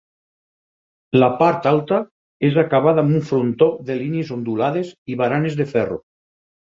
La part alta és acabada amb un frontó de línies ondulades i baranes de ferro.